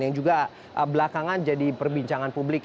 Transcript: yang juga belakangan jadi perbincangan publik